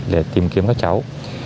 để tìm kiếm các cháu